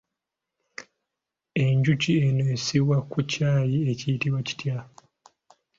Enjuki eno esibwa ku kyayi ekiyitibwa kitya?